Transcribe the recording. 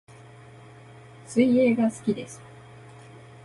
水泳が好きです